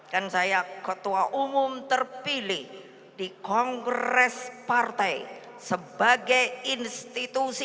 saya ketua umum terpilih di kongres partai sebagai institusi